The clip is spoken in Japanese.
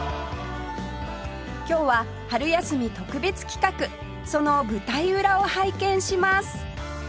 今日は春休み特別企画その舞台裏を拝見します